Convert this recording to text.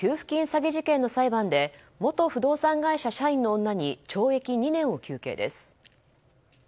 詐欺事件の裁判で元不動産会社社員の女に懲役２年を求刑です。